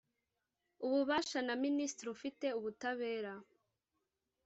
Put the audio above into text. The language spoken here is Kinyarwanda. Ububasha na minisitiri ufite ubutabera